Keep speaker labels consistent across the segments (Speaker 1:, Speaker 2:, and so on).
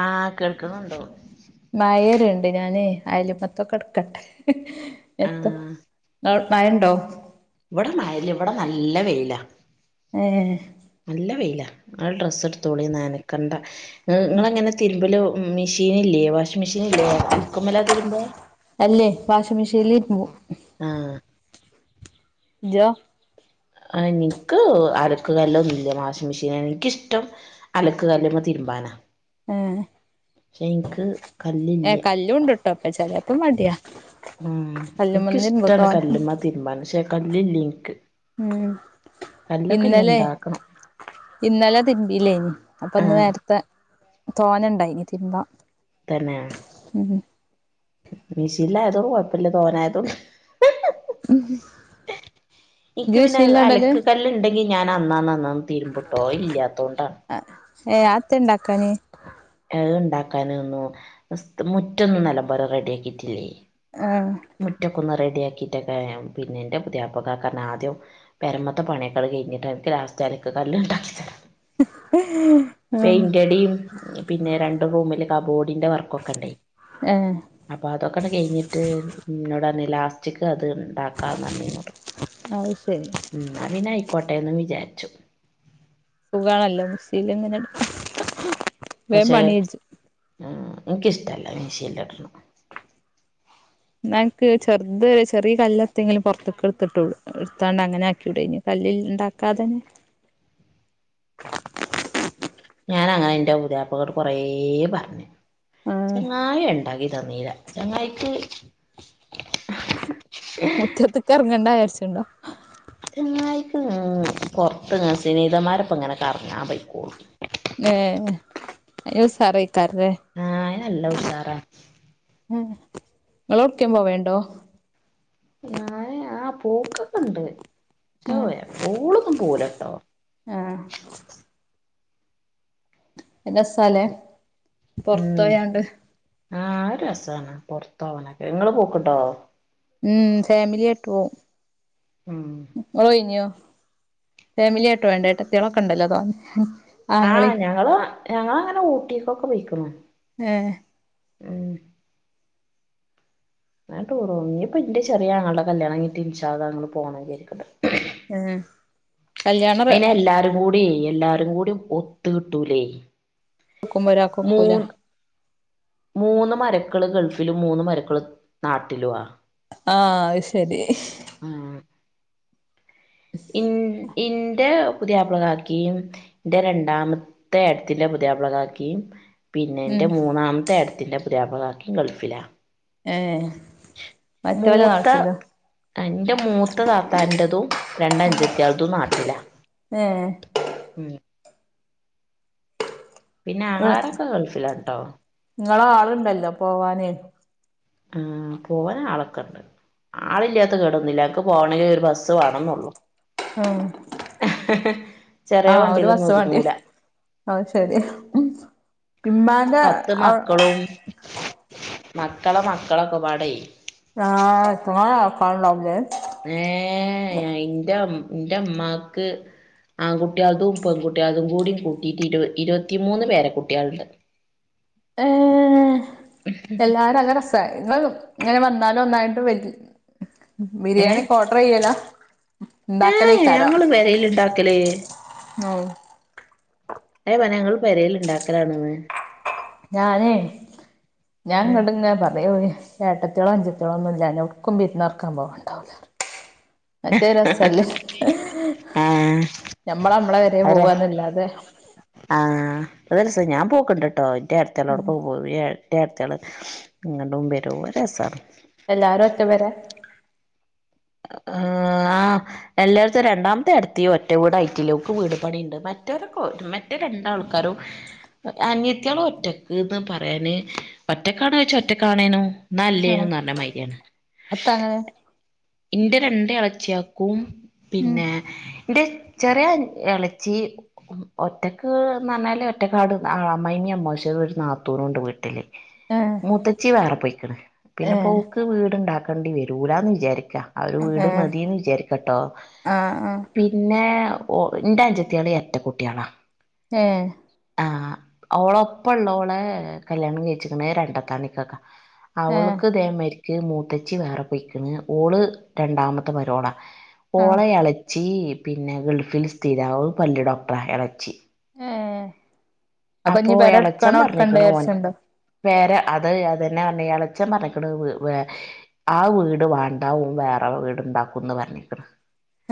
Speaker 1: ആ ക നിക്കുന്നുണ്ടോ
Speaker 2: മായരുണ്ട് ഞാന് അയാല്മത്തൊക്കെ എടുക്കട്ടെ എത്ത
Speaker 1: ആഹ്
Speaker 2: മഴയുണ്ടോ?
Speaker 1: ഇവിടെ മഴയില്ല ഇവിടെ നല്ല വെയിലാ.
Speaker 2: ഏ
Speaker 1: നല്ല വെയില. ആ ഡ്രസ്സ് എടുത്തോളി നനക്കേണ്ട. നിങ്ങളങ്ങനെ തിരുമ്പിലോ ഉം മിഷീൻ ഇല്ലേ? വാഷി മെഷീനില്ലേ അലക്ക്മലാ തിരുമ്പ?
Speaker 2: അല്ലേ വാഷിംഗ് മെഷീനിൽ തിരുമ്പും.
Speaker 1: ആഹ്.
Speaker 2: ജ
Speaker 1: ഇനിക്ക് അലക്ക് കല്ലൊന്നുല്ല വാഷിംഗ് മെഷീനാ എനിക്കിഷ്ടം അലക്ക് കല്ല്മ്മേ തിരുമ്പാനാ.
Speaker 2: ഏഹ്
Speaker 1: ക്ഷേൻക്ക്
Speaker 2: ഏ കല്ലൂണ്ട്ട്ടോ. അപ്പ ചെലേപ്പം മടിയാ.
Speaker 1: ഉം
Speaker 2: കല്ലുമ്മന്ന് ഇരുമ്പും
Speaker 1: ഇനിക്കിഷ്ടമാണ്
Speaker 2: തോനെ
Speaker 1: കല്ലുമ്മ തിരുമ്പാന് പക്ഷെ ല്ലില്ലെൻക്ക്
Speaker 2: ഉം ഇന്നലെ
Speaker 1: ഇണ്ടാക്കണം
Speaker 2: ഇന്നലെ തിരിമ്പില്ലേനി അപ്പൊ ഇന്ന്
Speaker 1: ആഹ്
Speaker 2: നേരത്തെ തോന്നെണ്ടായിന് തിരുമ്പാ
Speaker 1: തന്നെ
Speaker 2: മ്
Speaker 1: മീഷിന്ലായതോണ്ട് കൊഴപ്പല്ല തോനായതോണ്ട് ഇന്ക്ക്
Speaker 2: ഇജ്
Speaker 1: പിന്നെ
Speaker 2: മിഷീനിലാ ഇടല്
Speaker 1: അലക്ക് കല്ല്ണ്ടെ ങ്കി ഞാനന്നാന്ന് അന്നാ മ് തിരുമ്പുട്ടോ അയില്ലാത്തോണ്ടാ
Speaker 2: ഏ അഹ് എത്തെ ഇണ്ടാക്കാഞ്ഞേ?
Speaker 1: അഹ് ഇണ്ടാക്കാനൊന്നും സ്ത് മുറ്റൊന്നും നല്ലമ്പോലെ റെഡി ആക്കിട്ടില്ലേ
Speaker 2: ആ
Speaker 1: മുറ്റക്കൊന്നു റെഡിയാ ക്കിട്ടൊക്കെ പിന്നെ ഇൻ്റെ പുതിയാപ്ല കാക്കർഞ്ഞ് ആദ്യം പെരമത്തെ പണിയൊക്കെ അഹ് കഴിഞ്ഞിട്ട് അനക്ക് ലാസ്റ്റ് അലക്ക്കല്ല്ണ്ടാക്കി തരാന്ന്
Speaker 2: ആ
Speaker 1: പെയിൻ്റടിയും പിന്നെ ര ണ്ട് റൂമില് കാബോ ഡിന്റെ വർക്കൊക്കണ്ടെ
Speaker 2: ഏ
Speaker 1: അപ്പൊ അതൊക്കെന്ന് കഴിഞ്ഞിട്ട് ഇന്നോടർഞ്ഞ് ലാസ്റ്റ്ക്ക് അ ത് ഇണ്ടാക്കാർഞ്ഞാ അന്ന് ഇന്നോട്
Speaker 2: അത് ശരി
Speaker 1: ഉം ന്നാപ്പിന്നെ ആയിക്കോ ട്ടെന്ന് വിചാരിച്ചു
Speaker 2: സുഖാണല്ലോ മിഷീലങ്ങനെ എടു
Speaker 1: പക്ഷെ ഏ എനിക്കിഷ്ടല്ല മെശീലിലാട്ടിണ്
Speaker 2: ഇന്നാക്ക് ചെറുത് ചെറിയ കല്ലെടുത്തെങ്കിലും പൊറത്തിക്ക് എടുത്തിട്ടോളു എടുത്താണ്ട് അങ്ങനെ ആക്കിയുടെനു കല്ലി ഇണ്ടാക്കാതന്നെ.
Speaker 1: ഞാൻ അങ്ങനെ എന്റെ പുതിയാപ്പളോട് കൊറേ പറഞ്ഞ്.
Speaker 2: ആഹ്
Speaker 1: ചെങ്ങായിണ്ടാക്കി തന്നീല ചങ്ങായിക്ക്
Speaker 2: മുറ്റത്തേക്കെറങ്ങണ്ടാ വിചാരിച്ച് ഇണ്ടോ?
Speaker 1: ചെങ്ങായിക്ക് ഉം പൊറത്ത് ഇങ്ങനെ സനേഹിതമാരൊപ്പൊ ഇങ്ങനെ കറങ്ങാ പൊയിക്കോളൂ.
Speaker 2: ഏ ഈ ഉസാറായി.
Speaker 1: ആ അയ്‌ന് നല്ല ഉഷാറാ.
Speaker 2: ഉം ഇങ്ങളൊട്ക്കേം പോവേണ്ടോ?
Speaker 1: ഞാന് ആ പോക്കൊക്കെണ്ട് ക്ഷേ
Speaker 2: ഏഹ്
Speaker 1: എപ്പോളൊന്നും പോവൂലട്ടോ.
Speaker 2: ആ ഒര് രസാലേ. പൊറത്ത് പോയാണ്ട്.
Speaker 1: ആ അഅ് രസാണ് പൊറത്തോവാനൊക്കെ ഇങ്ങള് പോക്ണ്ടോ?
Speaker 2: ഉം ഫാമിലിയായിട്ടു പോവും.
Speaker 1: ഉം
Speaker 2: ഇങ്ങളോയീഞ്യോ? ഫാമിലിയായിട്ട് പോവേണ്ടൊ ട ഏട്ടത്ത്യേളൊക്കേണ്ടല്ലോ തോനെ
Speaker 1: ആ
Speaker 2: ആങ്ങളീം
Speaker 1: ഞങ്ങള് ഞങ്ങളങ്ങനെ ഊട്ടീക്കൊക്കെ പൊയിക്കുണു.
Speaker 2: ഏഹ്
Speaker 1: ഉം അങ്ങനെ ടൂറോവും ഇഞ് ഇപ്പന്റെ ചെറിയ ആങ്ങൾ ൻ്റെ കല്യാണം കയിഞ്ഞിട്ടി ഇൻശാ അള്ളാ ഞങ്ങള് പോണം വിചാരിക്കണ്ട്.
Speaker 2: ഏ
Speaker 1: അയിനെ എല്ലാരും കൂട്യേ എല്ലാരേം കൂടി ഒത്തു കിട്ടൂലേ.
Speaker 2: ഒക്കുമ്പൊരാക്കൊക്കൂല
Speaker 1: മൂന്ന് മൂന്ന് മര്വക്കൾ ഗൾഫ് ഫിലും മൂന്ന് മര്വക്കള് നാട്ടിലുവാ.
Speaker 2: ആ അത്ശരി.
Speaker 1: ആഹ് ഇൻ ഇന്റെ പുതിയാപ്ലകാക്കീം എന്റെ രണ്ടാമത്തെ ഏടത്തിന്റെ പുതിയാപ്ളകാക്കീം പിന്നെ
Speaker 2: ഉം
Speaker 1: എൻ്റെ മൂന്നാമത്തെ ഏട ത്തിന്റെ പുതിയാപ്ലകാക്കീം ഗൾഫിലാ.
Speaker 2: ഏ
Speaker 1: മൂത്ത അ ഇന്റെ മൂത്ത താത്താന്റതും രണ്ട് അഞ്ചത്തിയേൾതും നാട്ടിലാ
Speaker 2: ഏഹ്
Speaker 1: ഉം പിന്നെ ആങ്ങളാരൊക്കെ ഗൾഫിലാട്ടോ
Speaker 2: ഇങ്ങള് ആള്ണ്ടല്ലോ പോവാന്
Speaker 1: ആ പോവാൻ ആളൊക്കെണ്ട് ആളില്ലാത്ത കേടൊന്നില്ല [unintelligible] പോണേലും ഒരു ബസ് വേണന്നള്ളൂ
Speaker 2: ആ
Speaker 1: ചെറിയ
Speaker 2: ആഹ് ഒരു
Speaker 1: വണ്ടിയിലൊന്നും
Speaker 2: മ്പസ്‌
Speaker 1: ഒതുങ്ങൂല
Speaker 2: വാണ്ടിയേരും അത് ശരിയാ ഇമ്മാന്റെ അവ്
Speaker 1: മക്കള മക്കളൊക്കെപാടെ
Speaker 2: ആ എത്രങ്ങാനും ആൾക്കാര്ണ്ടാവും ലേ
Speaker 1: ഏ അയിന്റമ് ഇന്റെ അമ്മാക്ക് ആൺകുട്ടികൾതും പെൺകുട്ടികൾതും കൂടി കുട്ടീട്ട് ഇരു ഇരുപത്തിമൂന്ന് പേര കുട്ടികള്ണ്ട്.
Speaker 2: ഏ എല്ലാരും നല്ല രസാ ഇങ്ങളൊന്നും ഇങ്ങനെ വന്നാലും ഒന്നായിട്ട് വെർ ബിരിയാണിയൊക്കെ ഓർഡർ ചെയ്യലാ?
Speaker 1: ഏ
Speaker 2: ഇണ്ടാക്കലേക്കാരം
Speaker 1: ഞങ്ങള് പെരയില് ഇണ്ടാക്കല്.
Speaker 2: ആഹ്
Speaker 1: ഏ [unintelligible]
Speaker 2: ഞാനേ ഞാ ഇങ്ങട് ഇങ്ങനെ പറഞ്ഞ് ഏട്ടത്തോളിയും അൻഞ്ചത്തോളിയും ഒന്നും ഇല്ലാഞ്ഞാ എവിട്ക്കും വിരന്ന് പാർക്കാൻ പോവാണ്ടാവില്ലാ പറഞ്ഞ്. മറ്റേ രസല്ലേ
Speaker 1: ആഹ്
Speaker 2: ഞമ്മള് നമ്മളെ പെരേ
Speaker 1: ആഹ്
Speaker 2: പോവാന്നല്ലാതെ
Speaker 1: അതല്ലാ രസം ഞാൻ പോക്കിണ്ട് ട്ടോ ഈ അടുത്തെല്ലോട്ക്കും പോ [unintelligible] ഏട്ടത്തികള് ഇങ്ങ്ടും വരും ഒരു രസാണ്.
Speaker 2: എല്ലാരും ഒറ്റ പെര
Speaker 1: ഏഹ് ആ എല്ലായിടത്തും രണ്ടാംത്തെ ഏട്ത്തി ഒറ്റ വീട് ഐറ്റിലോക്ക് വീട് പണിണ്ട് മറ്റവരൊക്കെ മറ്റേ രണ്ടാൾക്കാരും അനിയത്തിയളും ഒറ്റക്ക്ന്ന് പറയാന് ഒറ്റക്കാണോയ്ച്ചാ ഒറ്റക്കാണേനും എന്നാല്ലേനും
Speaker 2: ആഹ്
Speaker 1: എന്നറഞ്ഞ മാരിയാണ്
Speaker 2: എത്താ അങ്ങനെ
Speaker 1: ഇന്റെ രണ്ട് എളച്ചിയൾക്കും
Speaker 2: ഉം
Speaker 1: പിന്നെ ഇന്റെ ചെറിയ എളച്ചി ഉം ഒറ്റക്ക്ന്ന് പറഞ്ഞാല് ഒറ്റക്കാട് [unintelligible] അമ്മായിഅമ്മയും അമ്മയിച്ചനും ഒരു നാത്തൂനൂണ്ട് വീട്ടില്.
Speaker 2: ഏഹ്
Speaker 1: മൂത്തച്ചി വേറെ പോയി ക്കിണ്. പിന്നെ
Speaker 2: ഏഹ്
Speaker 1: പോക്ക് വീടുണ്ടാക് ണ്ടി വരൂലാന്ന് വിചാരി ക്കാ ആ ഒര് വീട്
Speaker 2: ഏഹ്
Speaker 1: മതീന്ന് വിചാരിക്കാട്ടോ
Speaker 2: ആഹ് ആഹ്
Speaker 1: പിന്നെ ഓ ഇന്റെ അഞ്ചത്തിയള് എരട്ട കുട്ടികളാ
Speaker 2: ഏഹ്
Speaker 1: ആ ഓളൊപ്പം ഒള്ളോളെ കല്യാണം കഴിച്ചിക്ക്ണ് രണ്ടെത്താണിക്കാക്കാ.
Speaker 2: ഏഹ്
Speaker 1: അവൾക്ക് ഇതേ മരി ക്ക് മൂത്തച്ചി വേറെ പൊയ്ക്കിണ് ഓള് രണ്ടാമത്തെ മരോളാ
Speaker 2: ആഹ്
Speaker 1: ഓളെ എളച്ചി പിന്നെ ഗൾഫില് സ്ഥിരാവും പല്ല് ഡോക്ടറാ എളച്ചി
Speaker 2: ഏഹ് അപ്പൊ
Speaker 1: അപ്പോ
Speaker 2: ഇഞ്ഞ് പെര
Speaker 1: എളച്ചം
Speaker 2: ഇട്ക്കണോ ഇട്ക്കണ്ടേ
Speaker 1: പറഞ്ഞിക്കണ് ഓൻ
Speaker 2: വിചാരിച്ച്ണ്ടോ
Speaker 1: വേറെ അത് അതന്നെ പറഞ്ഞെ ഇയാള് അച്ഛൻ പറഞ്ഞിക്ക്ണ് വ് വേ ആ വീട് വാ ണ്ടാ വേറെ വീട് ഇണ്ടാക്കുന്ന് പറഞ്ഞിക്കിണ്.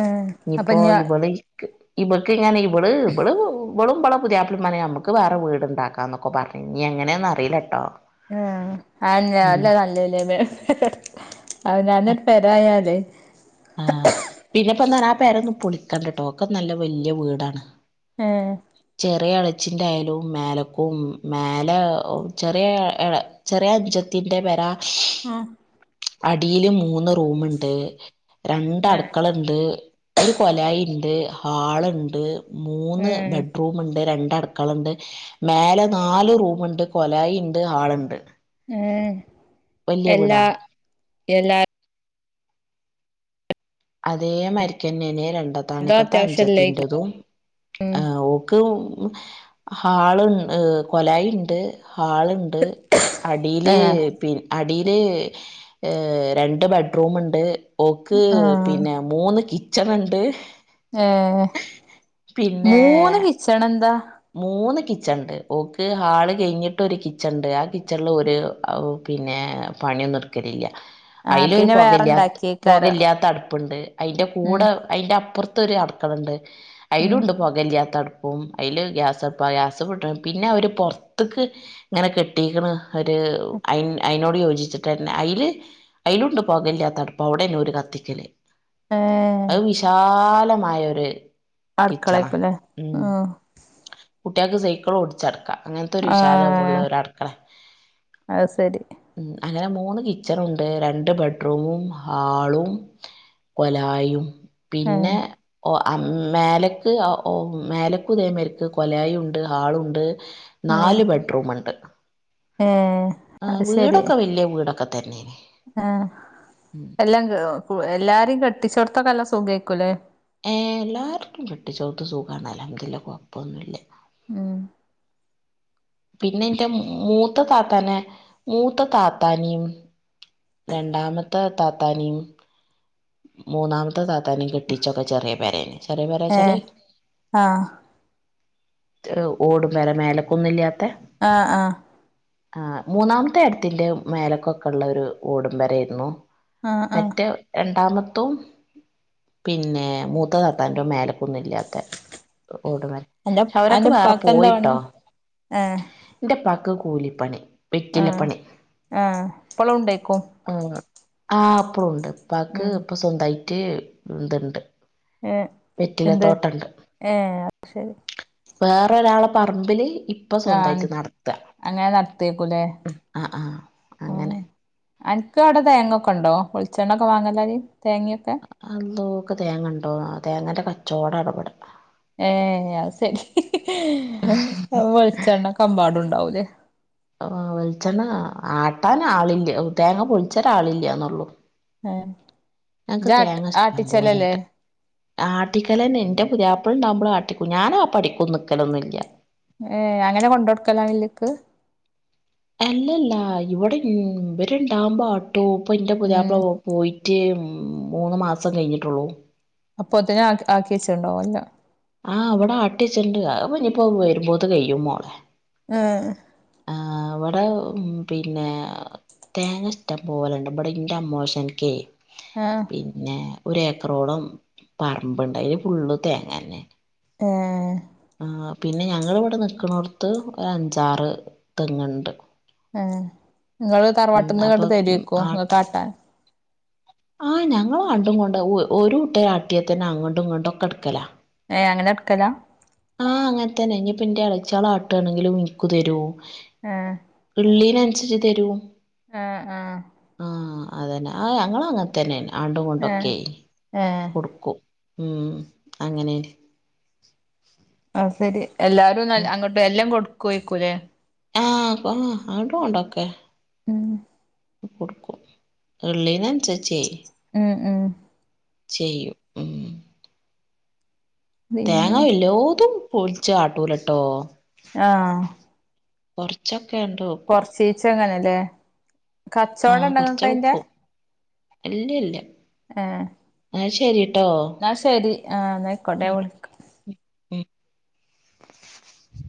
Speaker 2: ഏഹ്
Speaker 1: ഇനി
Speaker 2: അപ്പൊ
Speaker 1: ഇപ്പോ
Speaker 2: ഇഞ്ഞ്
Speaker 1: ഇവള് ക്ക് ഇവൾക്കിങ്ങനെ ഇവള് ഇവള് ഇമ്മളും മ്മള പുയാപ്പിള്ളേം നമുക്ക് വേറെ വീടുണ്ടാക്കാ എന്നൊക്കെ പറഞ്ഞ ഇനി എങ്ങനെയാന്ന് അറിയില്ല കേട്ടോ
Speaker 2: ആ അതെന്നെ അല്ല നല്ലല്ലേ ആ ഞാനിട്ട് പരായാലേ
Speaker 1: ആഹ് പിന്നെപ്പന്താ ആ പേരൊന്നും പോളിക്കാണ്ടാട്ടോ ഒക്കെ നല്ല വല്യയ വീടാണ്
Speaker 2: ആ
Speaker 1: ചെറിയ എളച്ചിൻ്റെ ആയാലും മേലക്കും മേലെ ചെറിയ ചെറിയ അഞ്ചത്തിൻ്റെ പേര
Speaker 2: ആ
Speaker 1: അടിയില് മൂന്ന് റൂമ് ഉണ്ട് രണ്ട്
Speaker 2: ഏഹ്
Speaker 1: അടുക്കള ഉണ്ട് ഒരു കൊലായി ഉണ്ട് ഹാളുണ്ട് മൂന്ന്
Speaker 2: ഏഹ്
Speaker 1: ബെഡ്റൂമ് ഉണ്ട് രണ്ട് ണ്ട് അടുക്കളുണ്ട് മേലെ നാല് റൂമുണ്ട് കൊലായി ഉണ്ട് ഹാളുണ്ട്
Speaker 2: മ്
Speaker 1: വലിയവിടാ
Speaker 2: എല്ലാ
Speaker 1: അതേ മരിക്കനെ ന്നേ രണ്ട് രണ്ടത്താണിക്കത്തെ
Speaker 2: അത്യാവശ്യല്ലേക്കും
Speaker 1: അഞ്ചത്തിന്റതും ഓക്ക് ഹാള്ണ്ട് കൊലായി ഉണ്ട് ഹാളുണ്ട് അടില്
Speaker 2: ഏഹ്
Speaker 1: പ് അടി ഇല് രണ്ട് ബെഡ്റൂമ് ഉണ്ട് ഓക്ക്‌
Speaker 2: ആഹ്
Speaker 1: പിന്നെ മൂന്ന് കി ച്ചനുണ്ട്
Speaker 2: ഏ മൂന്ന് കിച്ചൺ എന്താ
Speaker 1: മൂ മൂന്ന് കിച്ചൺ ഉണ്ട് ഓക്ക് ഹാള് കഴിഞ്ഞിട്ട് ഒരു കിച്ചൺ ഉണ്ട് ആ കിച്ചണില് ഒരു പിന്നെ പണിയൊന്നും എടുക്കലല്ല
Speaker 2: ആ
Speaker 1: അതിലൊരു
Speaker 2: പിന്നെ വേറെ
Speaker 1: പുകല്ല
Speaker 2: ഇണ്ടാക്കിയേക്കാരം
Speaker 1: പുകല്ലാത്ത അടുപ്പുണ്ട് അതിന്റെ
Speaker 2: ഉം
Speaker 1: കൂടെ അതിന്റെ അപ്പുറത്ത് ഒരു അടക്കളുണ്ട്
Speaker 2: ഉം
Speaker 1: അയിടണ്ട് പൊകല്ലാത്തടുപ്പ് അപ്പ അതില് ഗ്യാസ്പ്പ ഗ്യാസ് പട്ട പിന്നെ അവർ പുറത്തേക്ക് ഇങ്ങനെ കെട്ടിക്കണ ഒരു അ അയിനോട് യോജിച്ചിട്ട്ന്ന അല് അയലുണ്ട് പൊക്കെല്ലാതടുപ്പ് അവിടെന്നെ ഒരു കത്തിക്കല്
Speaker 2: ഏ
Speaker 1: അത് വിശാല മൊരു [unintelligible]
Speaker 2: അടുക്കളക്കുംല്ലേ ഉം
Speaker 1: കുട്ടികൾക്ക് സൈക്കിൾ ഓടിച്ചടക്കാം അങ്ങനത്തെ ഒരു
Speaker 2: ആ
Speaker 1: വിശാല ഉള്ള ഒരു അടുക്കള
Speaker 2: അത് ശരി
Speaker 1: ഉ അങ്ങനെ മൂന്ന് കിച്ചൺ ഉണ്ട് രണ്ട് ബെഡ്റൂമും ഹാളും കൊലായയും
Speaker 2: ഏ
Speaker 1: പിന്നെ ഓ മേലക്ക് ഓ മേലക്കു ഉതേമായിരിക്ക ക്ക് കൊലായ ഉണ്ട് ഹാളുണ്ട് നാല് ബെഡ്റൂം ഉണ്ട്
Speaker 2: ആ
Speaker 1: ആഹ വീടൊക്കെ വലിയ വീടൊക്കെ തന്നേന്നേ
Speaker 2: എല്ലാരും കെട്ടിച്ചോടുത്ത കല സുഖക്കുംല്ലേ
Speaker 1: ഏ എല്ലാർക്കും കെട്ട് ചോത്ത് സുഖണല്ല അതില്ല കൊഴപ്പൊന്നുമല്ല
Speaker 2: ഉം
Speaker 1: പിന്നെ എൻ്റെ മൂത്ത താത്താനെ മൂത്ത താത്താനും രണ്ടാമത്തെ താത്താനിയും മൂന്നാമത്തെ ത ത്താന കെട്ടിച്ചൊക്കെ ചെറിയ പരേെ ചെറിയ
Speaker 2: ഏ
Speaker 1: പേരെച്ചാല്
Speaker 2: ആ
Speaker 1: ഓടും വരെ മേലക്കൊന്നും ഇല്ലാത്ത
Speaker 2: ആ ആ
Speaker 1: ആ് മൂന്നാമത്തെ അടുത്തിന്റെ മേലക്കൊക്കെ ഉള്ള ഒരു ഓടും പെരേർന്നു
Speaker 2: ആ ആ
Speaker 1: രണ്ടാമത്തും പിന്നെ മൂത്ത താത്താൻ്റെമേല ാത്ത ഓടുമൻ
Speaker 2: അന്റെ
Speaker 1: വ അവരൊക്കെ
Speaker 2: അന്റെ
Speaker 1: വേറെ
Speaker 2: ഉപ്പാക്ക് എന്താ
Speaker 1: പോയിട്ടോ
Speaker 2: പണി ഏ
Speaker 1: എന്റെ പ ക്ക് കൂലിപ്പണി
Speaker 2: ആ
Speaker 1: വെറ്റിലപ്പണി
Speaker 2: ആ ഇപ്പോള ഉണ്ടേക്കും
Speaker 1: ആ അപ്പളുണ്ട് പാക്ക്
Speaker 2: ഉം
Speaker 1: ഇപ്പൊ സ്വന്തഇ മറ്റ ന്തുണ്ട്
Speaker 2: ഏ എന്ത് ഏ ശരി
Speaker 1: വേറൊരാളെ പറമ്പില് ഇപ്പൊ
Speaker 2: ആഹ്
Speaker 1: സ്വന്തമായിട്ട് നടത്ത
Speaker 2: അങ്ങനെ നടത്തിയേക്കൂലേ
Speaker 1: ആ ആ അങ്ങനെ
Speaker 2: അന്ക്ക് അവിടെ തേങ്ങൊക്കൊണ്ടൊ ഒളിച്ചെണ്ണൊക്കെ വാങ്ങല്ലര്
Speaker 1: ന്തോക്കെ തേങ്ങ ഉണ്ടോ തേങ്ങനടെ ചോട ഇടപട
Speaker 2: ഏ അത് സരി വെളിച്ചെണ്ണ കമ്പാടുണ്ടാവൂ എ
Speaker 1: ആ വെളിച്ചെണ്ണ ആട്ടാൻ ആളില്ലേ തേങ്ങ പൊളിച്ചരാ ആളില്ലന്നള്ളു
Speaker 2: എ ജാട്ട ആട്ടിച്ചലല്ലേ
Speaker 1: ആട്ടിക്കലെ എൻന്റെ പുതിയയാപ്പളിണ്ടാവുമ്പോള ആട്ടിക്കും ഞാനാ പഠിക്കും നിക്കലൊന്നുമില്ല
Speaker 2: ഏ അങ്ങനെ കൊണ്ട്ടുക്കലോ വില്ലേക്ക്
Speaker 1: അല്ലല്ല ഇവിടെ രണ്ടാമ്പോ ടോപ്പന്റെ
Speaker 2: ഉം
Speaker 1: പുതപ്പിള പോയിട്ട് ഉ മൂന്ന് മാസം കഴിഞ്ഞിട്ടുള്ളൂ
Speaker 2: അപ്പൊ അത്ത ആ ആക്കി വച്ചിട്ടുണ്ടോാവല്ല
Speaker 1: ആഅവിടെ ആട്ടിച്ചണ്ട്നിയിപ്പോ പോ രുമ്പോത് കഴും മോളെ
Speaker 2: ആ
Speaker 1: അവിടെ പിന്നെ തേങ്ങ ഇഷ്ടം പോലെയുണ്ട് ഇവിടെ ഇറെ അമോഷൻക്ക്
Speaker 2: ആഹ്
Speaker 1: പിന്നെ ഒരുഏക്കറോളം പറമ്പ് ഉണ്ടായല് ഫുള്ള് തേങ്ങ തന്നെ
Speaker 2: ഏ
Speaker 1: ആ പിന്നെ ഞങ്ങിവിടെ നിക്കണോടത്ത് ഒരു അഞ്ചാറ് തെങ്ങുണ്ട്
Speaker 2: ആ നിങ്ങള്
Speaker 1: ഉം
Speaker 2: തറവാട്ടിൽന്ന്
Speaker 1: അപ്പൊ
Speaker 2: കണ്ട് തരുവക്കോ
Speaker 1: ആ
Speaker 2: ട്ടാൻ
Speaker 1: ആ ഞങ്ങൾ കണ്ടും കൊണ്ട് ഒരു കുട്ട ആട്ടിയ തന്നെ അങ്ങോട്ടും ഇങ്ങോട്ടും ഒക്കെ എടുക്കല
Speaker 2: ഏയ് അങ്ങനെ എടുക്കലാ
Speaker 1: ആ അങ്ങനെ തന്നെ ഇനി പി അടച്ചാളാട്ട് ആണെങ്കിൽ നിക്കു തരു ഉള്ളി ന ഇച്ച് തരൂ
Speaker 2: എ അ
Speaker 1: അതു തന്നെ ആ ഞങ്ങളൾ അങ്ങനെ തന്നെയന്നാണ്
Speaker 2: ഏഹ്
Speaker 1: ആണ്ടുകൊണ്ടൊക്കെ
Speaker 2: ഏഹ്
Speaker 1: കൊടുക്കും ഉം അങ്ങനെ
Speaker 2: ആ ശരി എല്ലാരു
Speaker 1: ഉം
Speaker 2: നല്ല അങ്ങട്ടും എല്ലം കൊട് ക്കൊയ്ക്കുലേ
Speaker 1: ആഹ് ഹാ ആ ണ്ടൊ ണ്ടൊക്കെ
Speaker 2: ഉം
Speaker 1: കൊട്ക്കും ഇള്ളീനൻസര്ച്ചേ
Speaker 2: ഉം ഉം
Speaker 1: ചെയ്യും ഉം തേങ്ങ
Speaker 2: പിന്നെ
Speaker 1: എല്ലോതും പോൾച്ച് ആട്ടൂലട്ടോ
Speaker 2: ആഹ്
Speaker 1: കൊർചൊ
Speaker 2: കൊർച്ചീച്ച ങ്ങനെല് ല്ലേ കച്ചവട ണ്ടൊ ങ്ങക്കയ്ന്റെ.
Speaker 1: അല്ല ല്ല്യ.
Speaker 2: ആഹ്.
Speaker 1: ന്ന ശരിട്
Speaker 2: ന്ന ശരി ആഹ് ന്നായ്ക്കോട്ടെ ഞാ വിൾക്ക.
Speaker 1: [inaudible]